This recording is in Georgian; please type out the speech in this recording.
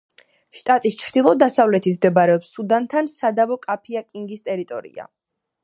შტატის ჩრდილო-დასავლეთით მდებარეობს სუდანთან სადავო კაფია-კინგის ტერიტორია.